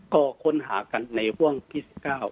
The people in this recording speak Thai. ก็ค้นหากันในห่วงที่๑๙